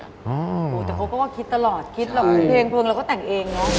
แต่เขาก็ว่าคิดตลอดคิดเราเพลงเพลิงเราก็แต่งเองเนอะ